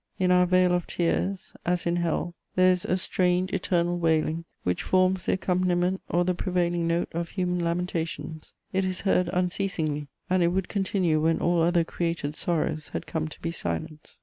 In our vale of tears, as in Hell, there is a strange, eternal wailing, which forms the accompaniment or the prevailing note of human lamentations; it is heard unceasingly, and it would continue when all other created sorrows had come to be silent.